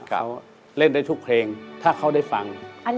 เขาเล่นได้ทุกเพลงถ้าเขาได้ฟัง